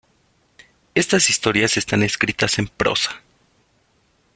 Estas historias están escritas en prosa.